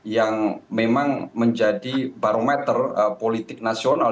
yang memang menjadi barometer politik nasional